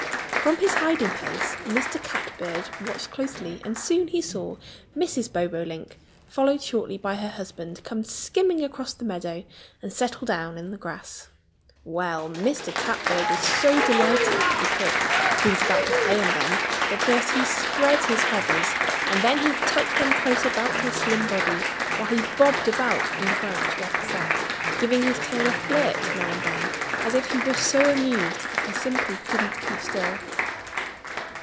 From his hiding place Mr. Catbird watched closely. And soon he saw Mrs. Bobolink, followed shortly by her husband, come skimming across the meadow and settle down in the grass. Well, Mr. Catbird was so delighted with the trick he was about to play on them that first he spread his feathers, and then he tucked them close about his slim body, while he bobbed about on the branch where he sat, giving his tail a flirt now and then as if he were so amused that he simply couldn't keep still.